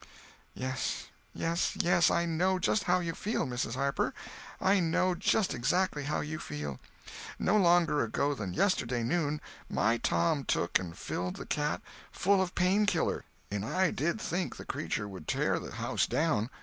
"Yes, yes, yes, I know just how you feel, Mrs. Harper, I know just exactly how you feel. No longer ago than yesterday noon, my Tom took and filled the cat full of Pain killer, and I did think the cretur would tear the house down.